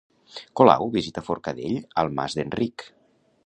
Colau visita Forcadell al Mas d'Enric.